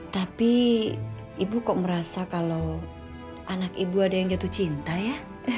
tapi ibu kok merasa kalau anak ibu ada yang jatuh cinta ya